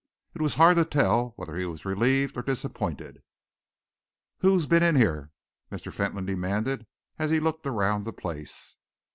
It was hard to tell whether he was relieved or disappointed. "Who has been in here?" Mr. Fentolin demanded, as he looked around the place.